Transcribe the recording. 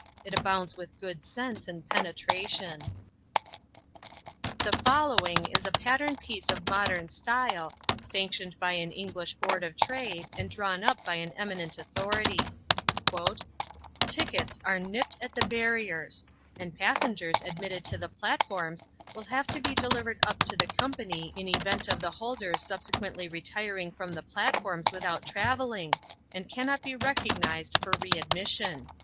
It abounds with good sense and penetration. The following is a pattern piece of modern style, sanctioned by an English Board of Trade, and drawn up by an eminent authority: "Tickets are nipped at the Barriers, and passengers admitted to the platforms will have to be delivered up to the Company in event of the holders subsequently retiring from the platforms without travelling, and cannot be recognized for readmission."